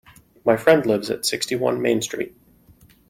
My friend lives at sixty-one Main Street